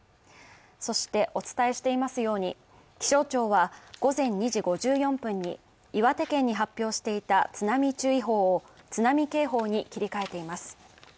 そして、お伝えしていますように、気象庁は午前２時５４分に岩手県に発表していた津波注意報を津波警報に切り替えています。